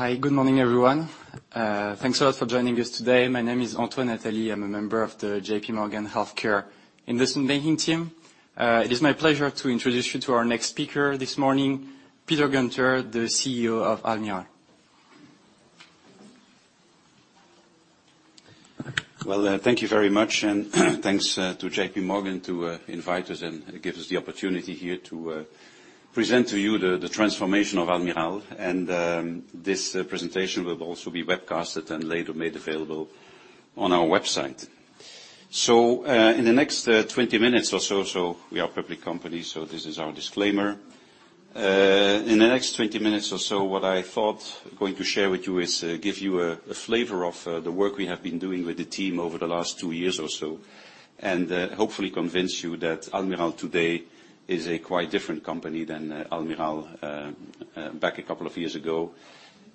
Hi, good morning, everyone. Thanks a lot for joining us today. My name is Antoine Natali. I'm a member of the J.P. Morgan Healthcare Investment Banking team. It is my pleasure to introduce you to our next speaker this morning, Peter Guenter, the CEO of Almirall. Well, thank you very much, and thanks to J.P. Morgan to invite us and give us the opportunity here to present to you the transformation of Almirall. This presentation will also be webcasted and later made available on our website. In the next 20 minutes or so, we are a public company, so this is our disclaimer. In the next 20 minutes or so, what I thought I'm going to share with you is give you a flavor of the work we have been doing with the team over the last two years or so, and hopefully convince you that Almirall today is a quite different company than Almirall back a couple of years ago.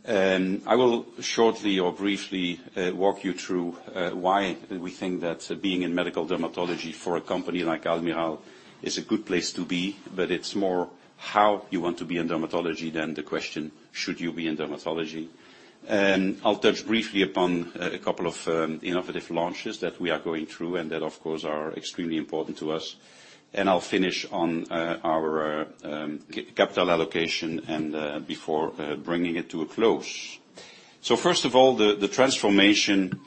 I will shortly or briefly walk you through why we think that being in medical dermatology for a company like Almirall is a good place to be. It's more how you want to be in dermatology than the question, should you be in dermatology? I'll touch briefly upon a couple of innovative launches that we are going through and that, of course, are extremely important to us. I'll finish on our capital allocation and before bringing it to a close. First of all, the transformation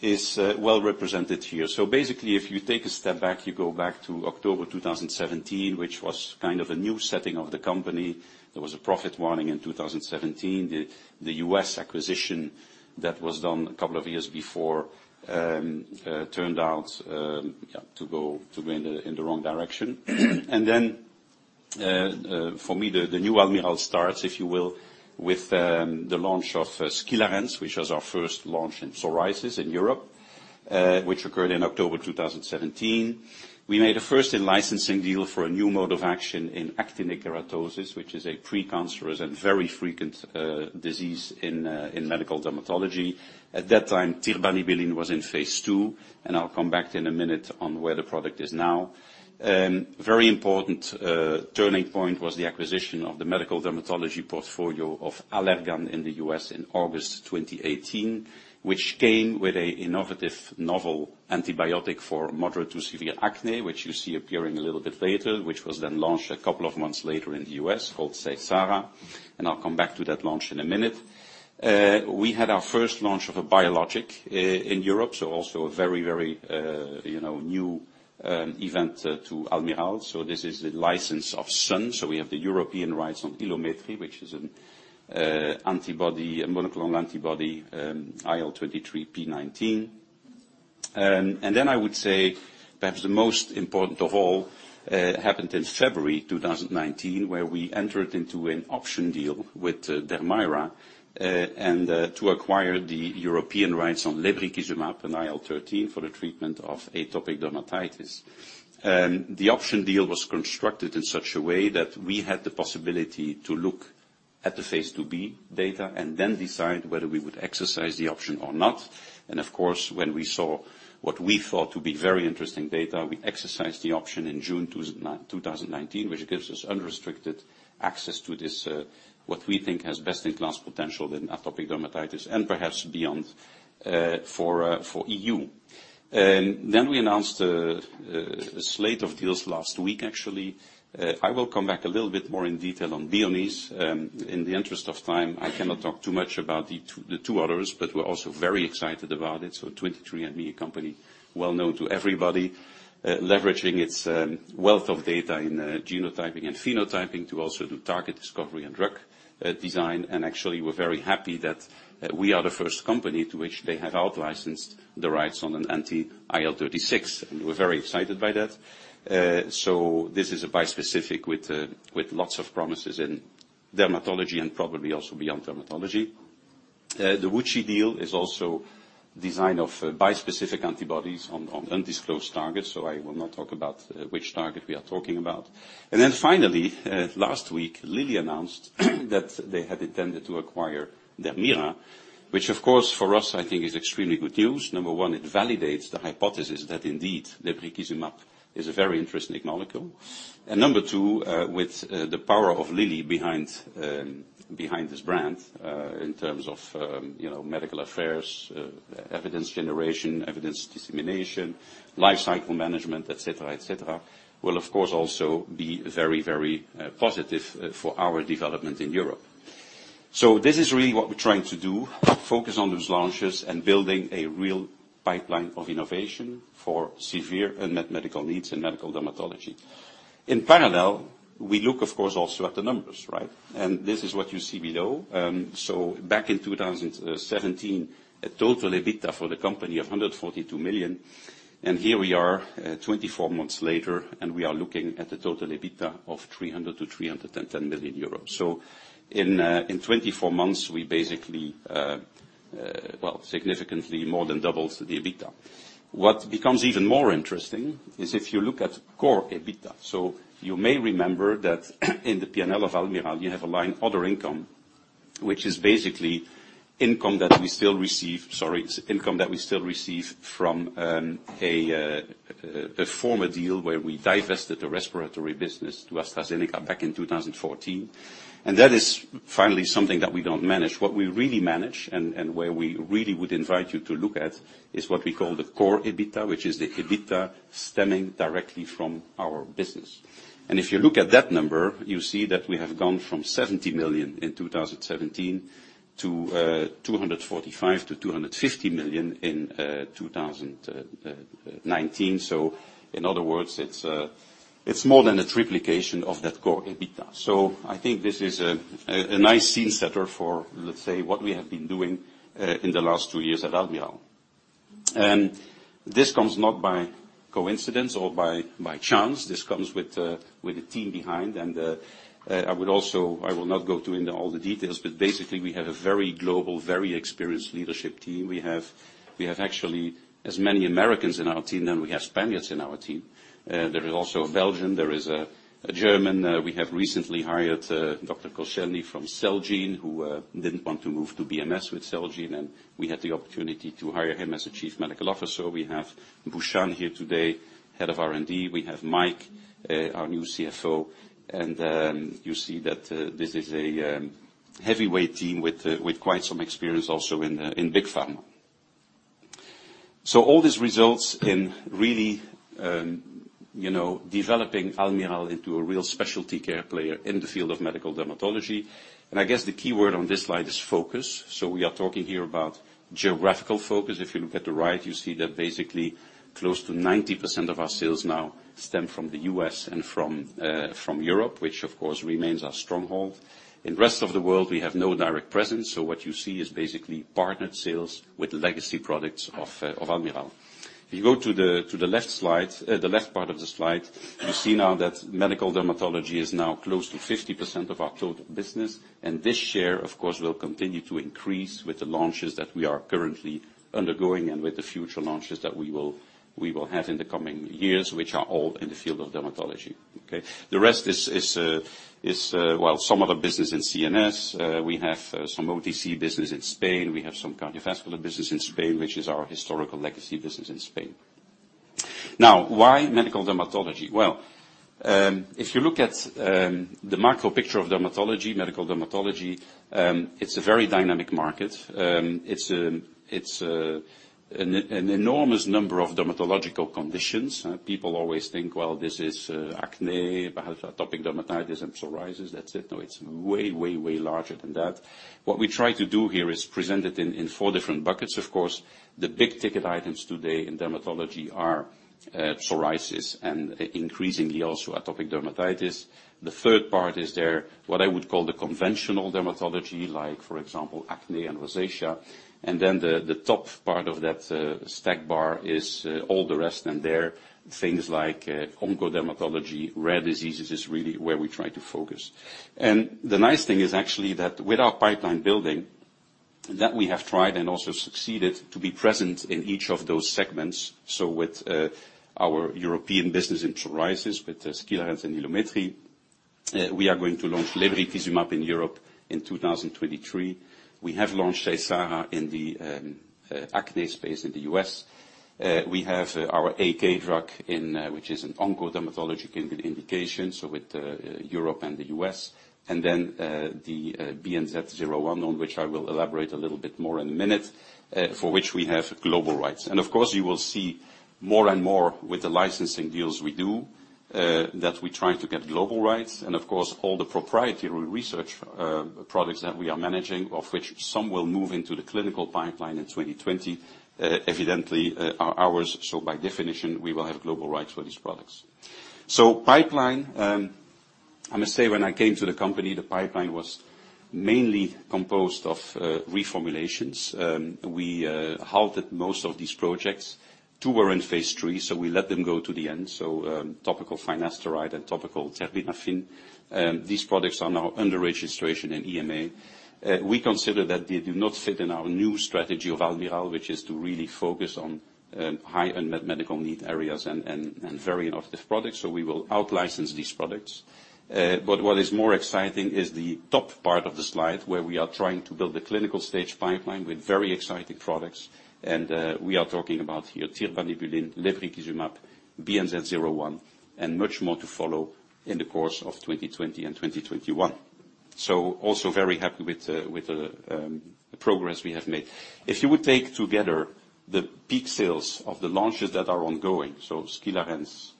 is well represented here. Basically, if you take a step back, you go back to October 2017, which was kind of a new setting of the company. There was a profit warning in 2017. The U.S. acquisition that was done a couple of years before turned out to go in the wrong direction. Then, for me, the new Almirall starts, if you will, with the launch of Skilarence, which was our first launch in psoriasis in Europe, which occurred in October 2017. We made a first in licensing deal for a new mode of action in actinic keratosis, which is a pre-cancerous and very frequent disease in medical dermatology. At that time, tirbanibulin was in phase II. I'll come back in a minute on where the product is now. Very important turning point was the acquisition of the medical dermatology portfolio of Allergan in the U.S. in August 2018, which came with an innovative novel antibiotic for moderate to severe acne, which you see appearing a little bit later, which was then launched a couple of months later in the U.S. called Seysara. I'll come back to that launch in a minute. We had our first launch of a biologic in Europe, also a very new event to Almirall. This is the license of Sun. We have the European rights on Ilumetri, which is a monoclonal antibody, IL-23p19. I would say perhaps the most important of all happened in February 2019, where we entered into an option deal with Dermira, and to acquire the European rights on lebrikizumab and IL-13 for the treatment of atopic dermatitis. The option deal was constructed in such a way that we had the possibility to look at the phase IIb data and then decide whether we would exercise the option or not. Of course, when we saw what we thought to be very interesting data, we exercised the option in June 2019, which gives us unrestricted access to this, what we think has best-in-class potential in atopic dermatitis and perhaps beyond for EU. We announced a slate of deals last week, actually. I will come back a little bit more in detail on Bioniz. In the interest of time, I cannot talk too much about the two others, but we're also very excited about it. 23andMe, a company well known to everybody, leveraging its wealth of data in genotyping and phenotyping to also do target discovery and drug design. Actually, we're very happy that we are the first company to which they have outlicensed the rights on an anti-IL-36, and we're very excited by that. This is a bispecific with lots of promises in dermatology and probably also beyond dermatology. The WuXi deal is also design of bispecific antibodies on undisclosed targets. I will not talk about which target we are talking about. Finally, last week, Lilly announced that they had intended to acquire Dermira, which of course, for us, I think is extremely good news. Number one, it validates the hypothesis that indeed lebrikizumab is a very interesting molecule. Number two, with the power of Lilly behind this brand, in terms of medical affairs, evidence generation, evidence dissemination, life cycle management, et cetera, will of course also be very positive for our development in Europe. This is really what we're trying to do, focus on those launches and building a real pipeline of innovation for severe unmet medical needs in medical dermatology. In parallel, we look, of course, also at the numbers, right? This is what you see below. Back in 2017, a total EBITDA for the company of 142 million, and here we are, 24 months later, and we are looking at a total EBITDA of 300 million-310 million euros. In 24 months, we basically, well, significantly more than doubled the EBITDA. What becomes even more interesting is if you look at core EBITDA. You may remember that in the P&L of Almirall, you have a line, other income, which is basically income that we still receive from a former deal where we divested the respiratory business to AstraZeneca back in 2014. That is finally something that we don't manage. What we really manage, and where we really would invite you to look at, is what we call the core EBITDA, which is the EBITDA stemming directly from our business. If you look at that number, you see that we have gone from 70 million in 2017 to 245 million-250 million in 2019. In other words, it's more than a triplication of that core EBITDA. I think this is a nice scene setter for, let's say, what we have been doing in the last two years at Almirall. This comes not by coincidence or by chance. This comes with a team behind and I will not go into all the details, but basically we have a very global, very experienced leadership team. We have actually as many Americans in our team than we have Spaniards in our team. There is also a Belgian, there is a German. We have recently hired Dr. Koscielny from Celgene, who didn't want to move to BMS with Celgene, we had the opportunity to hire him as a Chief Medical Officer. We have Bhushan here today, Head of R&D. We have Mike, our new CFO, you see that this is a heavyweight team with quite some experience also in big pharma. All this results in really developing Almirall into a real specialty care player in the field of medical dermatology. I guess the key word on this slide is focus. We are talking here about geographical focus. If you look at the right, you see that basically close to 90% of our sales now stem from the U.S. and from Europe, which of course remains our stronghold. In rest of the world, we have no direct presence, so what you see is basically partnered sales with legacy products of Almirall. If you go to the left part of the slide, you see now that medical dermatology is now close to 50% of our total business, and this share, of course, will continue to increase with the launches that we are currently undergoing and with the future launches that we will have in the coming years, which are all in the field of dermatology. Okay. The rest is some other business in CNS. We have some OTC business in Spain. We have some cardiovascular business in Spain, which is our historical legacy business in Spain. Now, why medical dermatology? Well, if you look at the macro picture of dermatology, medical dermatology, it's a very dynamic market. It's an enormous number of dermatological conditions. People always think, well, this is acne, perhaps atopic dermatitis and psoriasis, that's it. It's way, way larger than that. What we try to do here is present it in four different buckets. The big-ticket items today in dermatology are psoriasis and increasingly also atopic dermatitis. The third part is there, what I would call the conventional dermatology, like for example, acne and rosacea. The top part of that stack bar is all the rest, and they're things like oncodermatology, rare diseases, is really where we try to focus. The nice thing is actually that with our pipeline building, that we have tried and also succeeded to be present in each of those segments. With our European business in psoriasis, with Skilarence and Ilumetri, we are going to launch lebrikizumab in Europe in 2023. We have launched Seysara in the acne space in the U.S. We have our AK drug, which is an oncodermatology indication, so with Europe and the U.S., and then, the BNZ-1, on which I will elaborate a little bit more in a minute, for which we have global rights. Of course, you will see more and more with the licensing deals we do, that we try to get global rights, and of course all the proprietary research products that we are managing, of which some will move into the clinical pipeline in 2020. Evidently, are ours, so by definition, we will have global rights for these products. Pipeline, I must say when I came to the company, the pipeline was mainly composed of reformulations. We halted most of these projects. Two were in phase III, so we let them go to the end. Topical finasteride and topical terbinafine. These products are now under registration in EMA. We consider that they do not fit in our new strategy of Almirall, which is to really focus on high unmet medical need areas and very innovative products. We will out-license these products. What is more exciting is the top part of the slide, where we are trying to build a clinical-stage pipeline with very exciting products. We are talking about here tirbanibulin, lebrikizumab, BNZ-1, and much more to follow in the course of 2020 and 2021. Also very happy with the progress we have made. If you would take together the peak sales of the launches that are ongoing, SKYRIZI,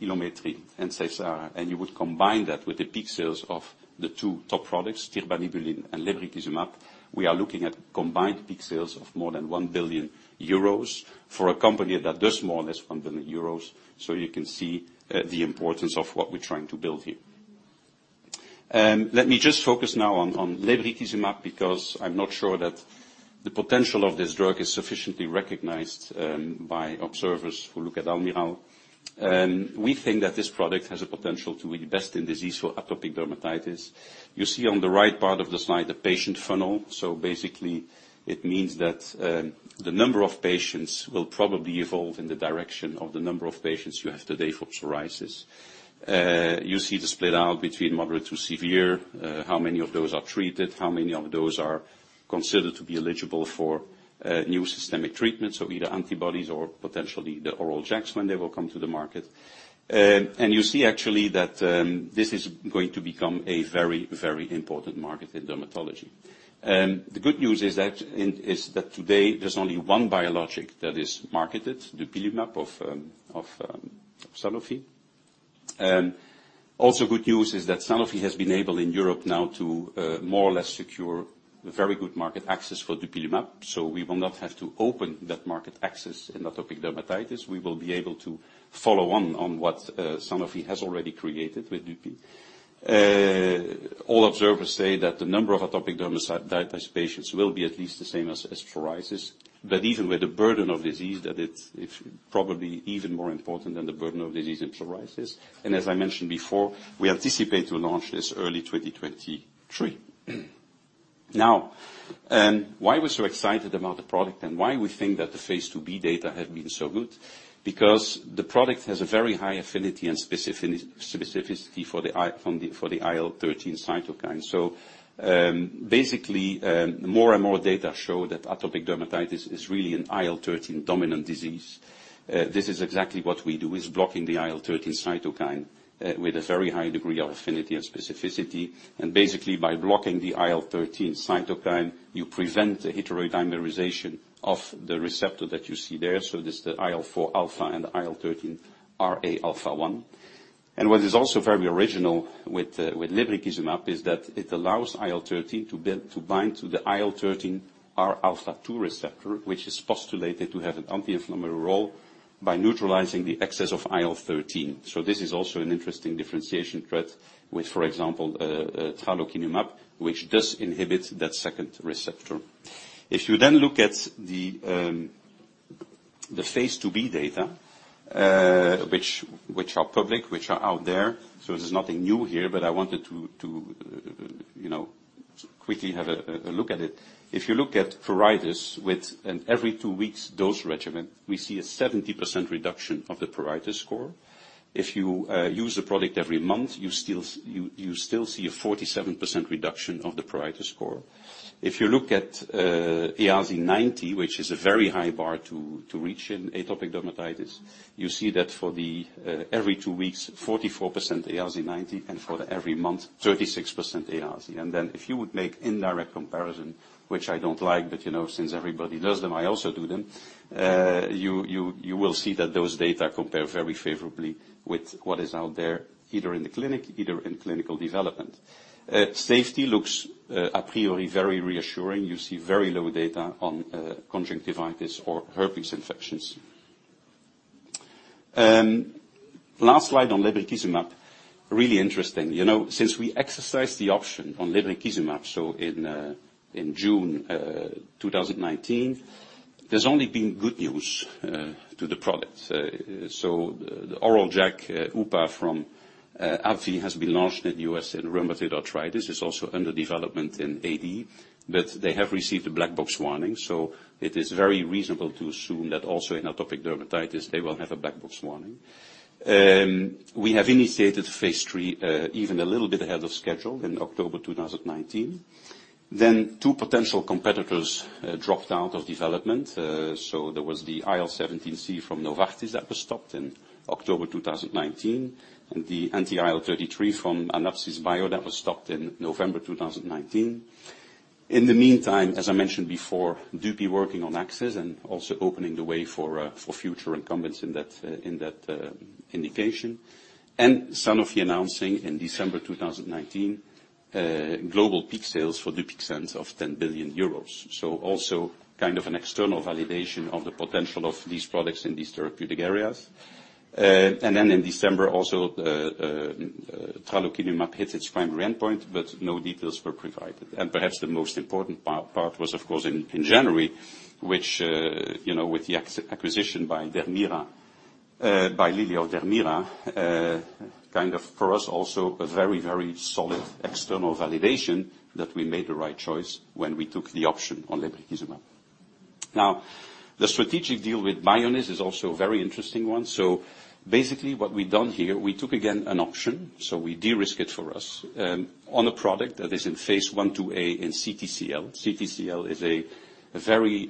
Ilumetri, and Seysara, and you would combine that with the peak sales of the two top products, tirbanibulin and lebrikizumab, we are looking at combined peak sales of more than 1 billion euros for a company that does more or less 1 billion euros. You can see the importance of what we're trying to build here. Let me just focus now on lebrikizumab, because I am not sure that the potential of this drug is sufficiently recognized by observers who look at Almirall. We think that this product has a potential to be best in disease for atopic dermatitis. You see on the right part of the slide, the patient funnel. It means that the number of patients will probably evolve in the direction of the number of patients you have today for psoriasis. You see the split out between moderate to severe, how many of those are treated, how many of those are considered to be eligible for new systemic treatments, so either antibodies or potentially the oral JAKs when they will come to the market. You see actually that this is going to become a very, very important market in dermatology. The good news is that today there's only one biologic that is marketed, dupilumab of Sanofi. Also good news is that Sanofi has been able, in Europe now, to more or less secure very good market access for dupilumab, so we will not have to open that market access in atopic dermatitis. We will be able to follow on on what Sanofi has already created with dupilumab. All observers say that the number of atopic dermatitis patients will be at least the same as psoriasis, but even with the burden of disease, that it's probably even more important than the burden of disease in psoriasis. As I mentioned before, we anticipate to launch this early 2023. Now, why are we so excited about the product and why we think that the phase IIb data have been so good? Because the product has a very high affinity and specificity for the IL-13 cytokine. Basically, more and more data show that atopic dermatitis is really an IL-13 dominant disease. This is exactly what we do, is blocking the IL-13 cytokine with a very high degree of affinity and specificity. Basically, by blocking the IL-13 cytokine, you prevent the heterodimerization of the receptor that you see there. This, the IL-4 alpha and the IL-13Rα1. What is also very original with lebrikizumab is that it allows IL-13 to bind to the IL-13Rα2 receptor, which is postulated to have an anti-inflammatory role by neutralizing the excess of IL-13. This is also an interesting differentiation thread with, for example, tralokinumab, which does inhibit that second receptor. If you look at the Phase IIb data, which are public, which are out there's nothing new here, but I wanted to quickly have a look at it. If you look at pruritus with an every two weeks dose regimen, we see a 70% reduction of the pruritus score. If you use the product every month, you still see a 47% reduction of the pruritus score. If you look at EASI-90, which is a very high bar to reach in atopic dermatitis, you see that for the every two weeks, 44% EASI-90, and for every month, 36% EASI. If you would make indirect comparison, which I don't like, but you know, since everybody does them, I also do them, you will see that those data compare very favorably with what is out there, either in the clinic, either in clinical development. Safety looks a priori, very reassuring. You see very low data on conjunctivitis or herpes infections. Last slide on lebrikizumab. Really interesting. Since we exercised the option on lebrikizumab, so in June 2019, there's only been good news to the product. The oral JAK UPA from AbbVie has been launched in the U.S. in rheumatoid arthritis, it's also under development in AD, but they have received a black box warning. It is very reasonable to assume that also in atopic dermatitis, they will have a black box warning. We have initiated phase III, even a little bit ahead of schedule in October 2019. Two potential competitors dropped out of development. There was the IL-17C from Novartis that was stopped in October 2019, and the anti-IL-33 from AnaptysBio that was stopped in November 2019. In the meantime, as I mentioned before, dupilumab working on access and also opening the way for future incumbents in that indication. Sanofi announcing in December 2019, global peak sales for DUPIXENT of 10 billion euros. Also kind of an external validation of the potential of these products in these therapeutic areas. Then in December also, tralokinumab hit its primary endpoint, but no details were provided. Perhaps the most important part was, of course, in January, which with the acquisition by Lilly or Dermira, kind of, for us, also a very solid external validation that we made the right choice when we took the option on lebrikizumab. Basically what we've done here, we took again an option, so we de-risk it for us, on a product that is in Phase I/IIa in CTCL. CTCL is a very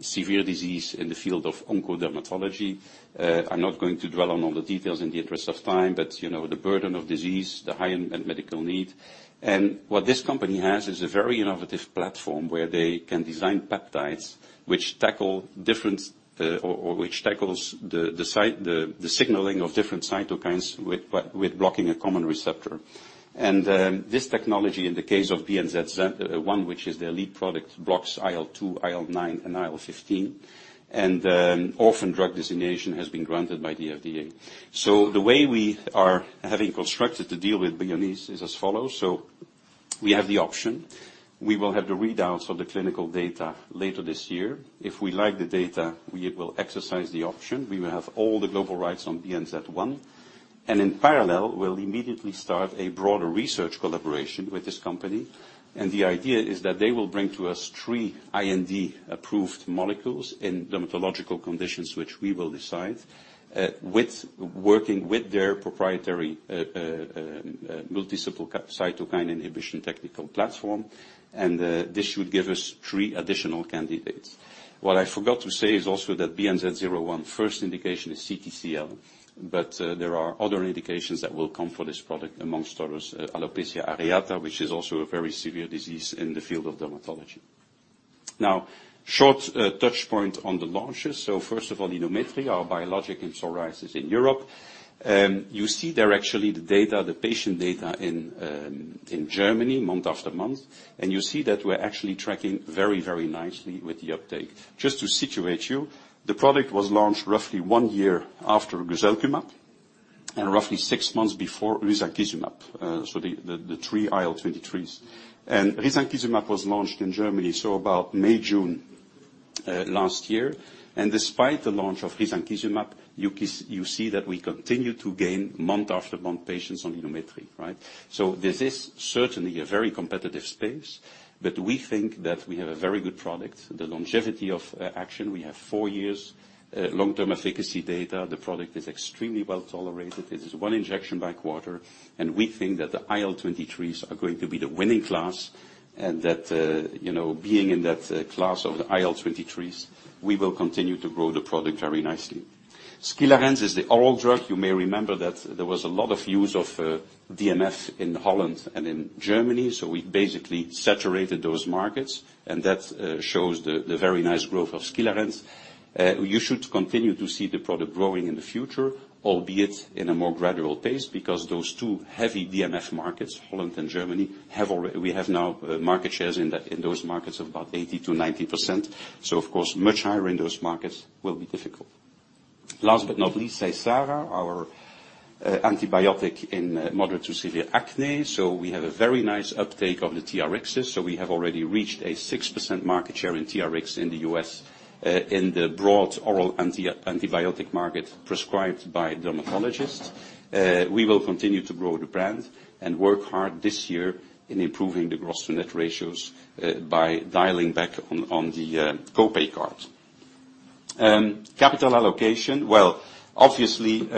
severe disease in the field of oncodermatology. I'm not going to dwell on all the details in the interest of time, but the burden of disease, the high end medical need. What this company has is a very innovative platform where they can design peptides which tackle different, or which tackles the signaling of different cytokines with blocking a common receptor. This technology, in the case of BNZ-1, which is their lead product, blocks IL-2, IL-9 and IL-15, and orphan drug designation has been granted by the FDA. The way we are having constructed the deal with Bioniz is as follows. We have the option. We will have the readouts of the clinical data later this year. If we like the data, we will exercise the option. We will have all the global rights on BNZ-1. In parallel, we'll immediately start a broader research collaboration with this company. The idea is that they will bring to us three IND-approved molecules in dermatological conditions, which we will decide, working with their proprietary multi-cytokine inhibition technical platform. This should give us three additional candidates. What I forgot to say is also that BNZ-1 first indication is CTCL, but there are other indications that will come for this product, amongst others, alopecia areata, which is also a very severe disease in the field of dermatology. Short touch point on the launches. First of all, Ilumetri, our biologic in psoriasis in Europe. You see there actually, the data, the patient data in Germany month after month, and you see that we're actually tracking very, very nicely with the uptake. Just to situate you, the product was launched roughly one year after guselkumab and roughly six months before risankizumab. The three IL-23s. Risankizumab was launched in Germany, about May, June last year. Despite the launch of risankizumab, you see that we continue to gain month after month patients on Ilumetri. Right? This is certainly a very competitive space, but we think that we have a very good product. The longevity of action, we have four years long-term efficacy data. The product is extremely well-tolerated. It is one injection by quarter, and we think that the IL-23s are going to be the winning class, and that being in that class of the IL-23s, we will continue to grow the product very nicely. Skilarence is the oral drug. You may remember that there was a lot of use of DMF in Holland and in Germany. We basically saturated those markets, and that shows the very nice growth of Skilarence. You should continue to see the product growing in the future, albeit in a more gradual pace, because those two heavy DMF markets, Holland and Germany, we have now market shares in those markets of about 80%-90%. Of course, much higher in those markets will be difficult. Last but not least, Seysara, our antibiotic in moderate to severe acne. We have a very nice uptake of the TRx. We have already reached a 6% market share in TRx in the U.S. in the broad oral antibiotic market prescribed by dermatologists. We will continue to grow the brand and work hard this year in improving the gross to net ratios by dialing back on the co-pay cards. Capital allocation. Obviously,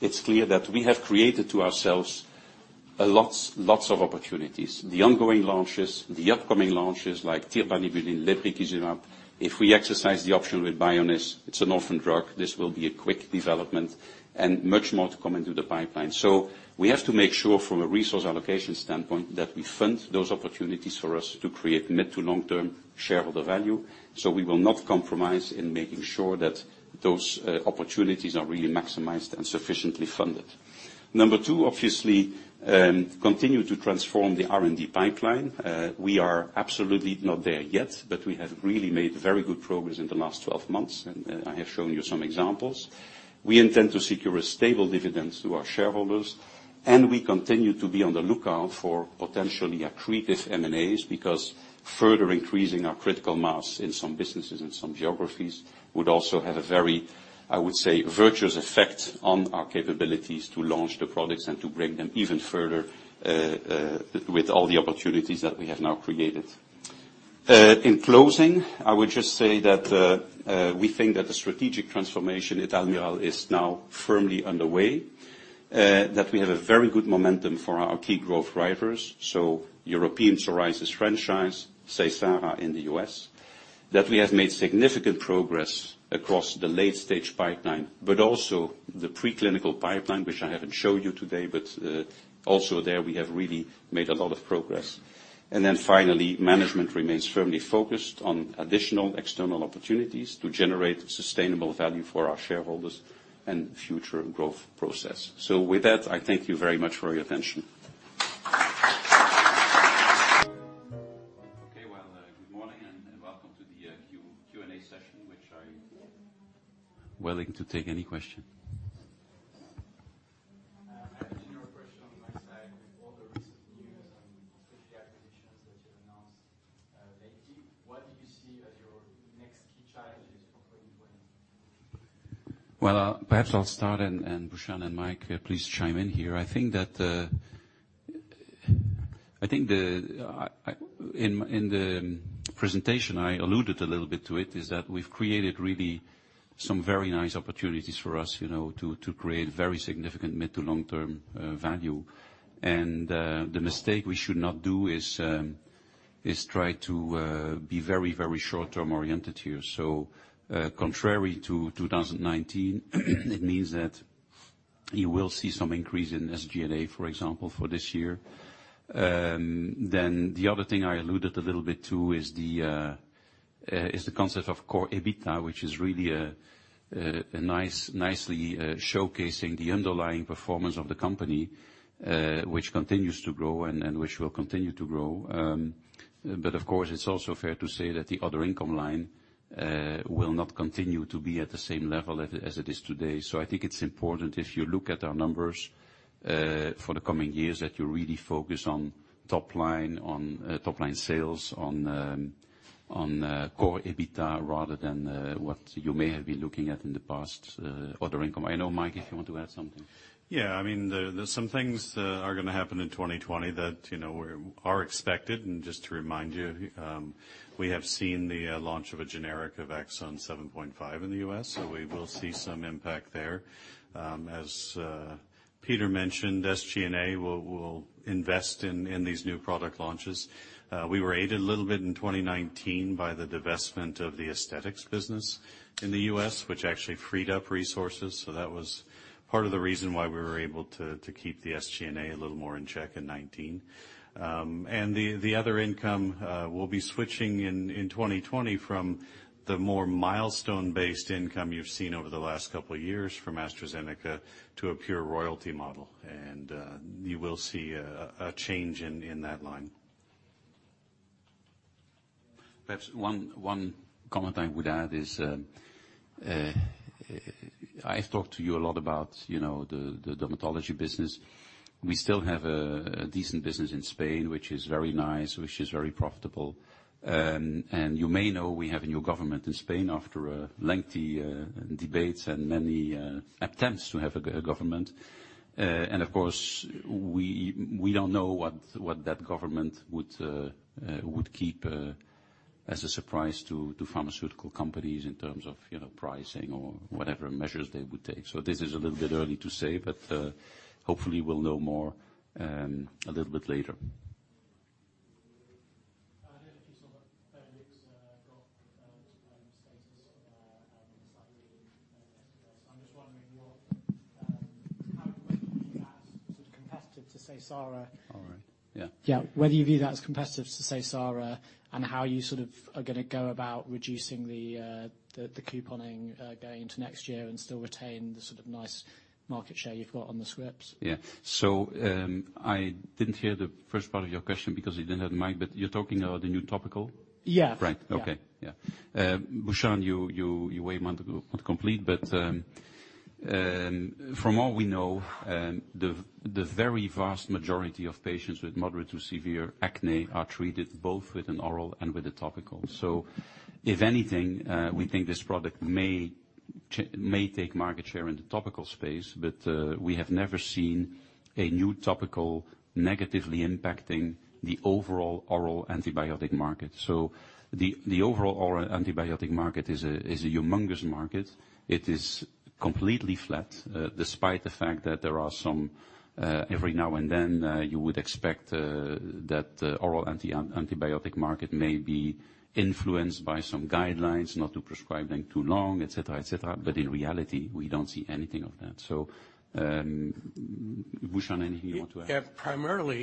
it's clear that we have created to ourselves lots of opportunities. The ongoing launches, the upcoming launches like tirbanibulin, lebrikizumab. If we exercise the option with Bioniz, it's an orphan drug. This will be a quick development, much more to come into the pipeline. We have to make sure from a resource allocation standpoint that we fund those opportunities for us to create mid to long-term shareholder value. We will not compromise in making sure that those opportunities are really maximized and sufficiently funded. Number two, obviously, continue to transform the R&D pipeline. We are absolutely not there yet, but we have really made very good progress in the last 12 months, and I have shown you some examples. We intend to secure a stable dividend to our shareholders. We continue to be on the lookout for potentially accretive M&As, because further increasing our critical mass in some businesses and some geographies would also have a very, I would say, virtuous effect on our capabilities to launch the products and to bring them even further with all the opportunities that we have now created. In closing, I would just say that we think that the strategic transformation at Almirall is now firmly underway. We have a very good momentum for our key growth drivers. European psoriasis franchise, Seysara in the U.S. We have made significant progress across the late-stage pipeline, but also the pre-clinical pipeline, which I haven't showed you today, but also there we have really made a lot of progress. Finally, management remains firmly focused on additional external opportunities to generate sustainable value for our shareholders and future growth process. With that, I thank you very much for your attention. Good morning and welcome to the Q&A session, which I'm willing to take any question. I have a general question on my side with all the recent news on strategic acquisitions that you've announced lately. What do you see as your next key challenges for 2020? Perhaps I'll start and, Bhushan and Mike, please chime in here. I think that in the presentation, I alluded a little bit to it, is that we've created really some very nice opportunities for us to create very significant mid to long-term value. The mistake we should not do is try to be very, very short-term oriented here. Contrary to 2019 it means that you will see some increase in SG&A, for example, for this year. The other thing I alluded a little bit to is the concept of core EBITDA, which is really nicely showcasing the underlying performance of the company, which continues to grow and which will continue to grow. Of course, it's also fair to say that the other income line will not continue to be at the same level as it is today. I think it's important if you look at our numbers for the coming years that you really focus on top-line sales, on core EBITDA, rather than what you may have been looking at in the past, other income. I know, Mike, if you want to add something. There's some things that are going to happen in 2020 that are expected. Just to remind you, we have seen the launch of a generic of Aczone 7.5% in the U.S. We will see some impact there. As Peter mentioned, SG&A will invest in these new product launches. We were aided a little bit in 2019 by the divestment of the aesthetics business in the U.S., which actually freed up resources. That was part of the reason why we were able to keep the SG&A a little more in check in 2019. The other income will be switching in 2020 from the more milestone-based income you've seen over the last couple of years from AstraZeneca to a pure royalty model. You will see a change in that line. Perhaps one comment I would add is, I've talked to you a lot about the dermatology business. We still have a decent business in Spain, which is very nice, which is very profitable. You may know we have a new government in Spain after lengthy debates and many attempts to have a government. Of course, we don't know what that government would keep as a surprise to pharmaceutical companies in terms of pricing or whatever measures they would take. This is a little bit early to say, but hopefully we'll know more a little bit later. I heard a few sort of, slightly. I'm just wondering how you view that as sort of competitive to, say, Seysara. All right. Yeah. Yeah. Whether you view that as competitive to, say, Seysara, and how you sort of are going to go about reducing the couponing going into next year and still retain the sort of nice market share you've got on the scripts. Yeah. I didn't hear the first part of your question because you didn't have the mic, but you're talking about the new topical? Yeah. Right. Okay. Yeah. Bhushan, you may want to complete, from all we know, the very vast majority of patients with moderate to severe acne are treated both with an oral and with a topical. If anything, we think this product may take market share in the topical space, we have never seen a new topical negatively impacting the overall oral antibiotic market. The overall oral antibiotic market is a humongous market. It is completely flat, despite the fact that every now and then you would expect that oral antibiotic market may be influenced by some guidelines not to prescribe them too long, et cetera. In reality, we don't see anything of that. Bhushan, anything you want to add?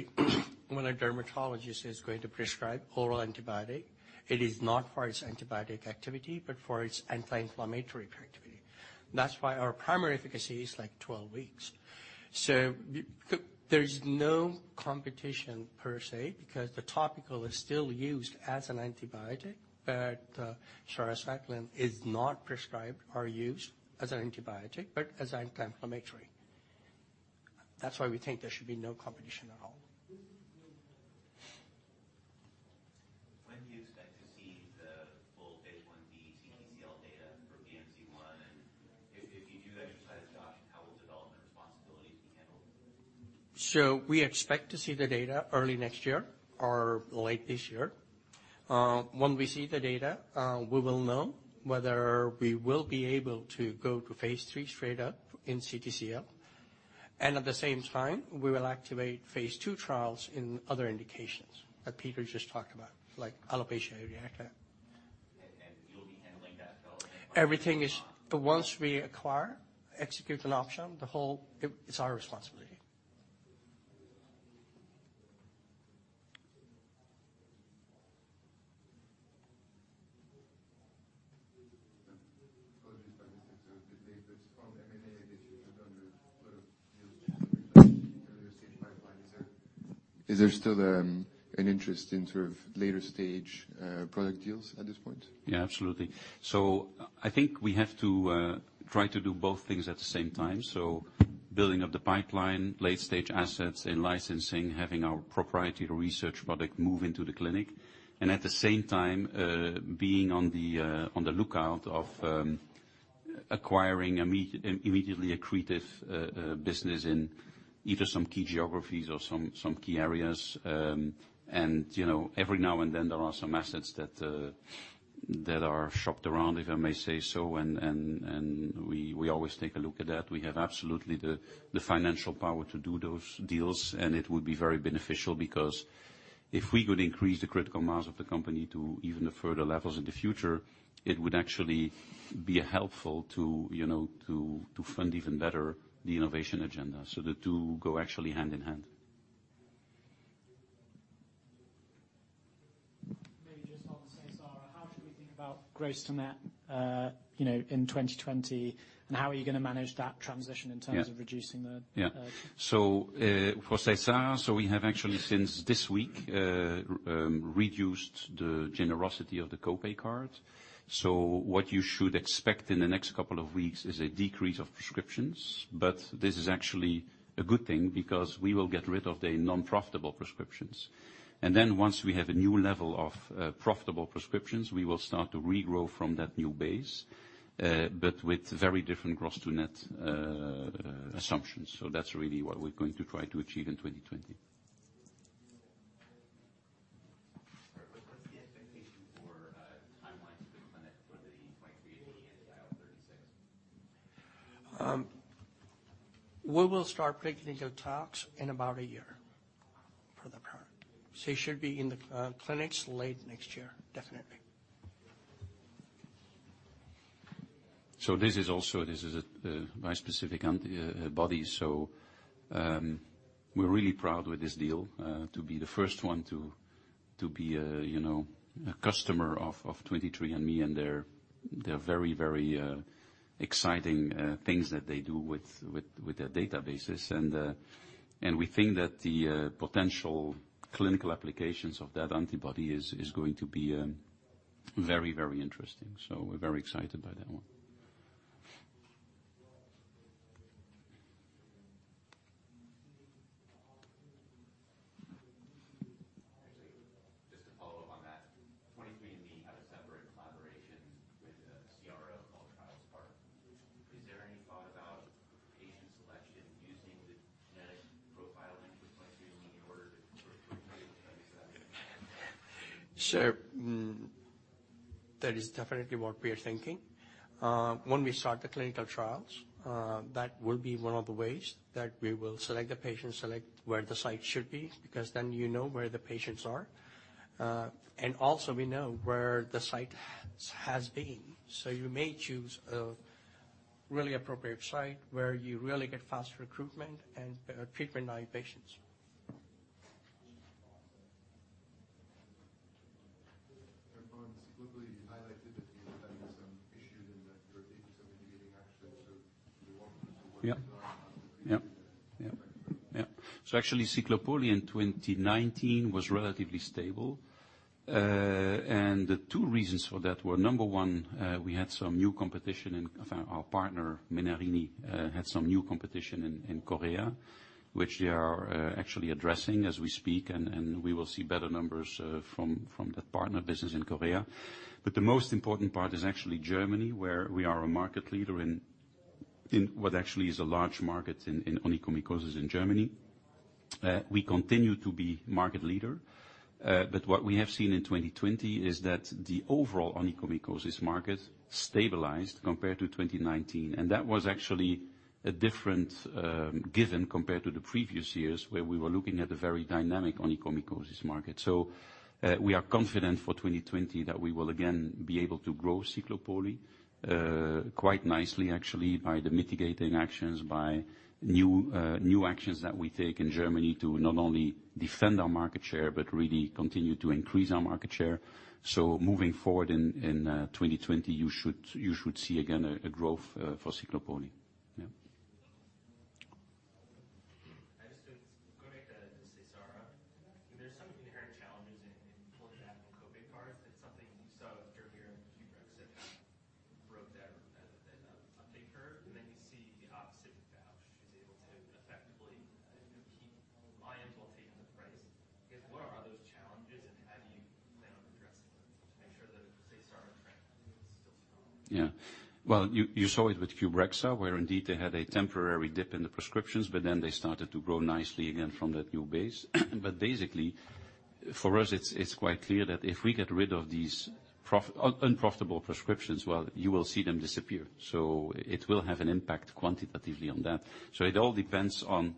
Yeah. When a dermatologist is going to prescribe oral antibiotic, it is not for its antibiotic activity, but for its anti-inflammatory activity. Our primary efficacy is 12 weeks. There's no competition per se, because the topical is still used as an antibiotic, but Seysara is not prescribed or used as an antibiotic, but as anti-inflammatory. We think there should be no competition at all. When do you expect to see the full phase I-B CTCL data for BNZ-1? If you do exercise how will development responsibilities be handled? We expect to see the data early next year or late this year. When we see the data, we will know whether we will be able to go to phase III straight up in CTCL. At the same time, we will activate phase II trials in other indications that Peter just talked about, like alopecia areata. You'll be handling that development. Everything is, once we acquire, execute an option, it's our responsibility. Apologies if I missed it. The data is from M&A, I guess, you've done the sort of deals earlier stage pipeline. Is there still an interest in sort of later stage product deals at this point? Yeah, absolutely. I think we have to try to do both things at the same time. Building up the pipeline, late-stage assets and licensing, having our proprietary research product move into the clinic. At the same time, being on the lookout of acquiring immediately accretive business in either some key geographies or some key areas. Every now and then there are some assets that are shopped around, if I may say so, and we always take a look at that. We have absolutely the financial power to do those deals, and it would be very beneficial because if we could increase the critical mass of the company to even the further levels in the future, it would actually be helpful to fund even better the innovation agenda. The two go actually hand in hand. Think about gross to net in 2020, and how are you going to manage that transition in terms of reducing? For Seysara, we have actually since this week, reduced the generosity of the co-pay card. What you should expect in the next couple of weeks is a decrease of prescriptions. This is actually a good thing, because we will get rid of the non-profitable prescriptions. Once we have a new level of profitable prescriptions, we will start to regrow from that new base, but with very different gross to net assumptions. That's really what we're going to try to achieve in 2020. All right. What's the expectation for timelines to the clinic for the 23andMe anti-IL-36? We will start preclinical trials in about a year for the current. It should be in the clinics late next year, definitely. This is also a very specific antibody. We're really proud with this deal, to be the first one to be a customer of 23andMe and their very exciting things that they do with their databases. We think that the potential clinical applications of that antibody is going to be very interesting. We're very excited by that one. Actually, just to follow up on that, 23andMe have a separate collaboration with a CRO called TrialSpark. Is there any thought about patient selection using the genetic profiling through 23andMe in order to recruit patients? Sure. That is definitely what we are thinking. When we start the clinical trials, that will be one of the ways that we will select the patient, select where the site should be, because then you know where the patients are. Also we know where the site has been, so you may choose a really appropriate site where you really get fast recruitment and better treatment naive patients. [Ervan], globally, you highlighted that you're having some issues and that you're taking some mitigating actions. Can you walk us through what you're doing? Actually, Ciclopoli in 2019 was relatively stable. The two reasons for that were, number one, our partner, Menarini, had some new competition in Korea, which they are actually addressing as we speak, and we will see better numbers from that partner business in Korea. The most important part is actually Germany, where we are a market leader in what actually is a large market in onychomycosis in Germany. We continue to be market leader. What we have seen in 2020 is that the overall onychomycosis market stabilized compared to 2019, and that was actually a different given compared to the previous years, where we were looking at a very dynamic onychomycosis market. We are confident for 2020 that we will again be able to grow Ciclopoli, quite nicely actually, by the mitigating actions, by new actions that we take in Germany to not only defend our market share, but really continue to increase our market share. Moving forward in 2020, you should see, again, a growth for Ciclopoli. Yeah. I just want to go back to Seysara. There's some inherent challenges in pulling back on co-pay cards. It's something we saw with [Dermira] and QBREXZA broke their uptake curve, and then you see the opposite with Vusion is able to effectively keep volumes while taking the price. I guess, what are those challenges and how do you plan on addressing them to make sure that Seysara trend is still strong? Yeah. Well, you saw it with QBREXZA, where indeed they had a temporary dip in the prescriptions. Then they started to grow nicely again from that new base. Basically, for us, it's quite clear that if we get rid of these unprofitable prescriptions, well, you will see them disappear. It will have an impact quantitatively on that. It all depends on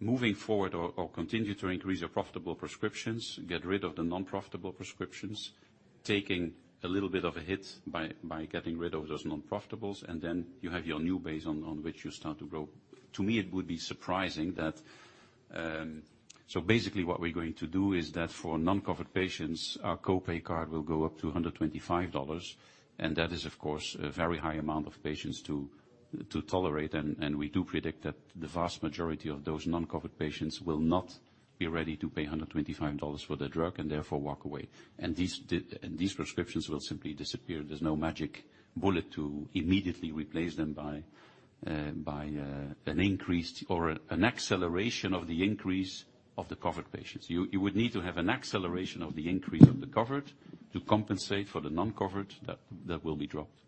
moving forward or continue to increase your profitable prescriptions, get rid of the non-profitable prescriptions, taking a little bit of a hit by getting rid of those non-profitables. Then you have your new base on which you start to grow. To me, it would be surprising. Basically what we're going to do is that for non-covered patients, our co-pay card will go up to EUR 125, and that is, of course, a very high amount of patients to tolerate, and we do predict that the vast majority of those non-covered patients will not be ready to pay EUR 125 for the drug, and therefore walk away. These prescriptions will simply disappear. There's no magic bullet to immediately replace them by an increase or an acceleration of the increase of the covered patients. You would need to have an acceleration of the increase of the covered to compensate for the non-covered that will be dropped.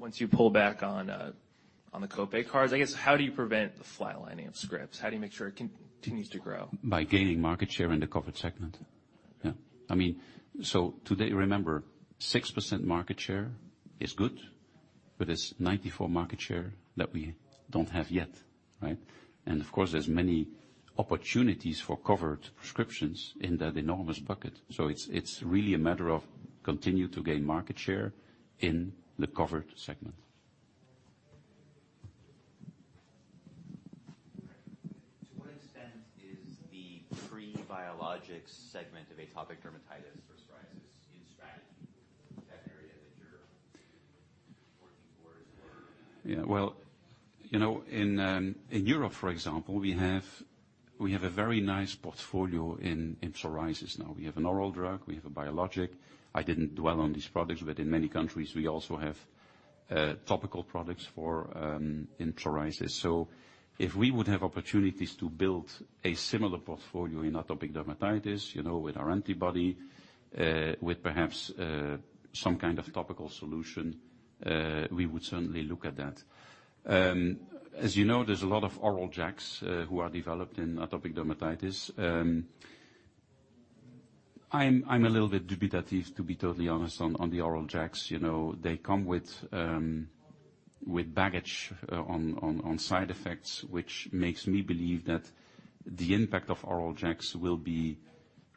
I'm interested to follow up. You can see it with QBREXZA, but also with AJOVY, there's a flat lining of the scripts once you pull back on the co-pay cards. I guess, how do you prevent the flat lining of scripts? How do you make sure it continues to grow? By gaining market share in the covered segment. Yeah. Today, remember, 6% market share is good, but it's 94% market share that we don't have yet, right? Of course, there's many opportunities for covered prescriptions in that enormous bucket. It's really a matter of continue to gain market share in the covered segment. To what extent is the pre-biologic segment of atopic dermatitis or psoriasis in strategy, that area that you're working towards or? Well, in Europe, for example, we have a very nice portfolio in psoriasis now. We have an oral drug, we have a biologic. I didn't dwell on these products. In many countries we also have topical products in psoriasis. If we would have opportunities to build a similar portfolio in atopic dermatitis, with our antibody, with perhaps some kind of topical solution, we would certainly look at that. As you know, there's a lot of oral JAKs who are developed in atopic dermatitis. I'm a little bit dubitative, to be totally honest, on the oral JAKs. They come with baggage on side effects, which makes me believe that the impact of oral JAKs will be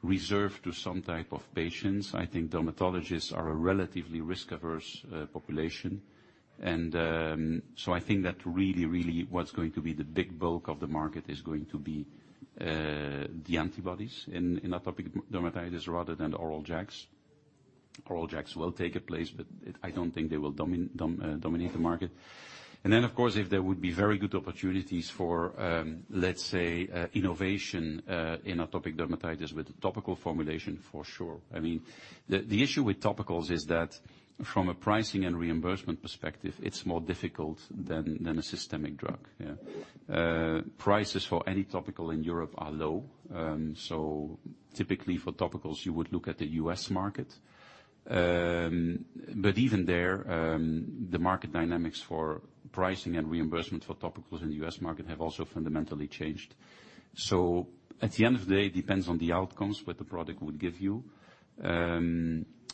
reserved to some type of patients. I think dermatologists are a relatively risk-averse population. I think that really what's going to be the big bulk of the market is going to be the antibodies in atopic dermatitis rather than oral JAKs. Oral JAKs will take a place, but I don't think they will dominate the market. Then, of course, if there would be very good opportunities for, let's say, innovation in atopic dermatitis with a topical formulation, for sure. The issue with topicals is that from a pricing and reimbursement perspective, it's more difficult than a systemic drug. Yeah. Prices for any topical in Europe are low. Typically for topicals you would look at the U.S. market. But even there, the market dynamics for pricing and reimbursement for topicals in the U.S. market have also fundamentally changed. At the end of the day, it depends on the outcomes, what the product would give you.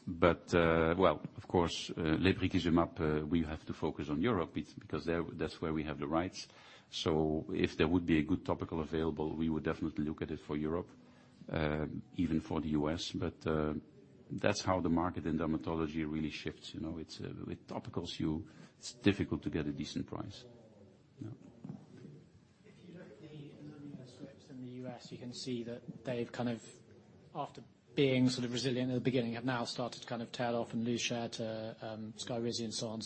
Well, of course, lebrikizumab, we have to focus on Europe because that's where we have the rights. If there would be a good topical available, we would definitely look at it for Europe, even for the U.S. That's how the market in dermatology really shifts. With topicals, it's difficult to get a decent price. Yeah. If you look at the Ilumetri scripts in the U.S., you can see that they've kind of, after being sort of resilient at the beginning, have now started to kind of tail off and lose share to SKYRIZI and so on.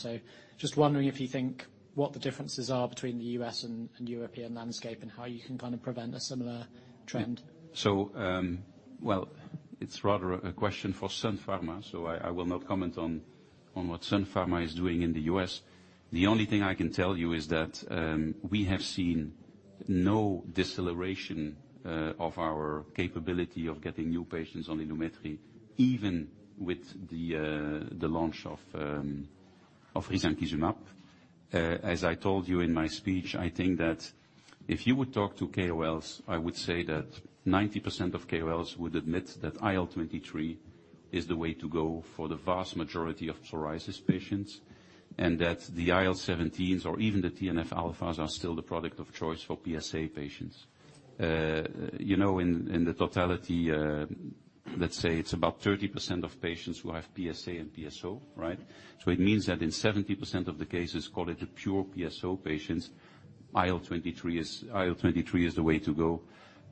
Just wondering if you think what the differences are between the U.S. and European landscape and how you can kind of prevent a similar trend. Well, it's rather a question for Sun Pharma, so I will not comment on what Sun Pharma is doing in the U.S. The only thing I can tell you is that, we have seen no deceleration of our capability of getting new patients on Ilumetri, even with the launch of risankizumab. As I told you in my speech, I think that if you would talk to KOLs, I would say that 90% of KOLs would admit that IL-23 is the way to go for the vast majority of psoriasis patients, and that the IL-17s or even the TNF alphas are still the product of choice for PSA patients. In the totality, let's say it's about 30% of patients who have PSA and PSO, right? It means that in 70% of the cases, call it the pure PSO patients, IL-23 is the way to go.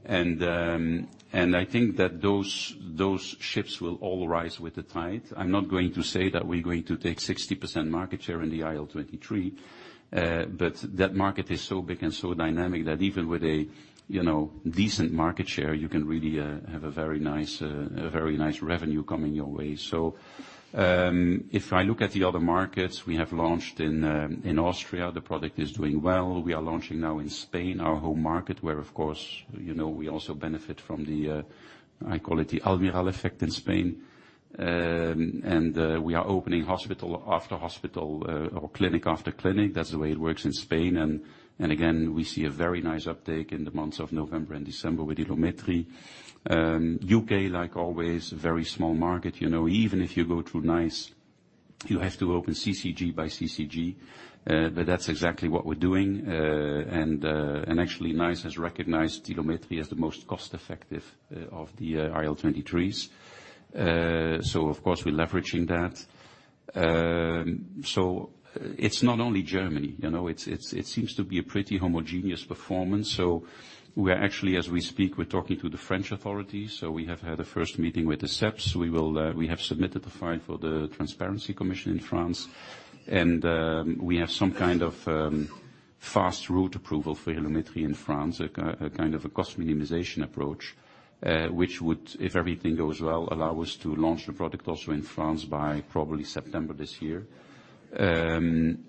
I think that those ships will all rise with the tide. I'm not going to say that we're going to take 60% market share in the IL-23. That market is so big and so dynamic that even with a decent market share, you can really have a very nice revenue coming your way. If I look at the other markets we have launched in Austria, the product is doing well. We are launching now in Spain, our home market, where of course, we also benefit from the, I call it the Almirall effect in Spain. We are opening hospital after hospital or clinic after clinic. That's the way it works in Spain. Again, we see a very nice uptake in the months of November and December with Ilumetri. U.K., like always, a very small market. Even if you go through NICE, you have to open CCG by CCG. That's exactly what we're doing. Actually, NICE has recognized Ilumetri as the most cost effective of the IL-23s. Of course, we're leveraging that. It's not only Germany. It seems to be a pretty homogeneous performance. We are actually, as we speak, we're talking to the French authorities. We have had a first meeting with the CEPS. We have submitted the file for the Transparency Committee in France. We have some kind of fast route approval for Ilumetri in France, a kind of a cost minimization approach, which would, if everything goes well, allow us to launch the product also in France by probably September this year. France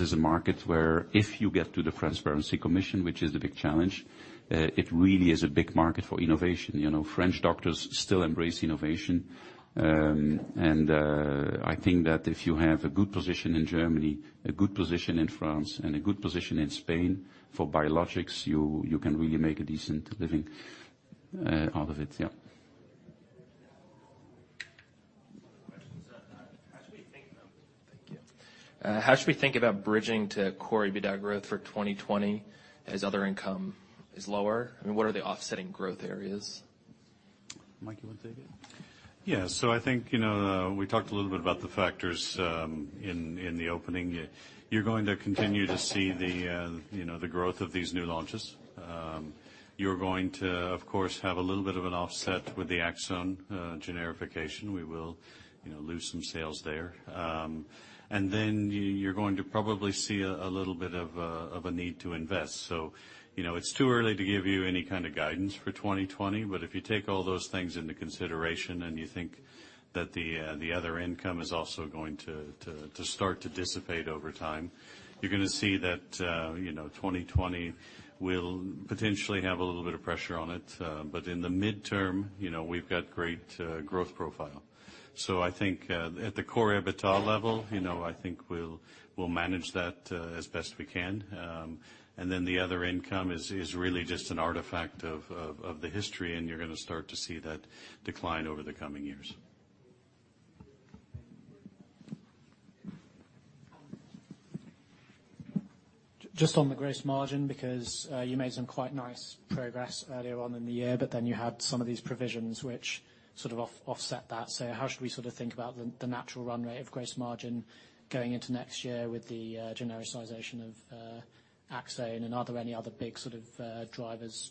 is a market where if you get to the Transparency Commission, which is the big challenge, it really is a big market for innovation. French doctors still embrace innovation. I think that if you have a good position in Germany, a good position in France, and a good position in Spain for biologics, you can really make a decent living out of it. How should we think about bridging to core EBITDA growth for 2020 as other income is lower? I mean, what are the offsetting growth areas? Mike, you want to take it? Yeah. I think we talked a little bit about the factors in the opening. You're going to continue to see the growth of these new launches. You're going to, of course, have a little bit of an offset with the ACZONE generification. We will lose some sales there. You're going to probably see a little bit of a need to invest. It's too early to give you any kind of guidance for 2020, if you take all those things into consideration and you think that the other income is also going to start to dissipate over time, you're going to see that 2020 will potentially have a little bit of pressure on it. In the midterm, we've got great growth profile. I think, at the core EBITDA level, I think we'll manage that as best we can. The other income is really just an artifact of the history, and you're going to start to see that decline over the coming years. Just on the gross margin, because you made some quite nice progress earlier on in the year, you had some of these provisions which sort of offset that. How should we think about the natural run rate of gross margin going into next year with the genericization of ACZONE? Are there any other big sort of drivers,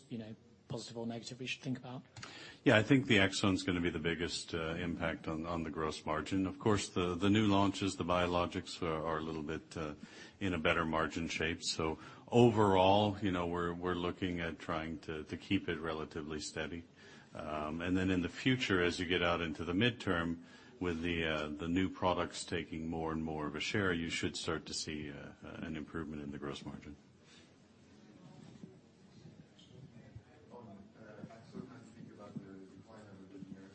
positive or negative, we should think about? Yeah, I think the ACZONE's going to be the biggest impact on the gross margin. Of course, the new launches, the biologics, are a little bit in a better margin shape. Overall, we're looking at trying to keep it relatively steady. Then in the future, as you get out into the midterm with the new products taking more and more of a share, you should start to see an improvement in the gross margin. On ACZONE, how do you think about the decline of the generic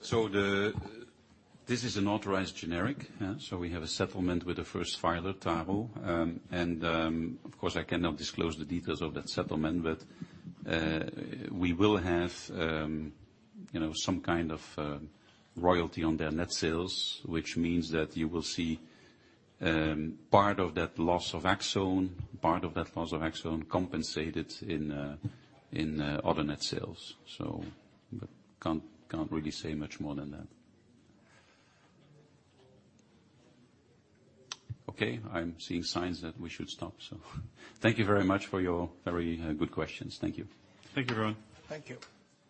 settlement? This is an authorized generic. We have a settlement with the first filer, Taro. Of course, I cannot disclose the details of that settlement, but we will have some kind of royalty on their net sales, which means that you will see part of that loss of ACZONE compensated in other net sales. Can't really say much more than that. Okay, I'm seeing signs that we should stop, thank you very much for your very good questions. Thank you. Thank you, everyone. Thank you.